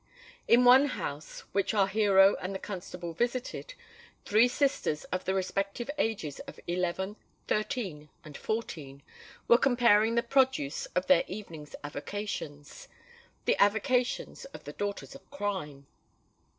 In one house which our hero and the constable visited, three sisters of the respective ages of eleven, thirteen, and fourteen, were comparing the produce of their evening's avocations,—the avocations of the daughters of crime!